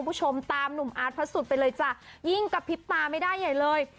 คุณผู้ชมตามหนุ่มอาร์ตพระสุทธิไปเลยจ้ะยิ่งกระพริบตาไม่ได้ใหญ่เลย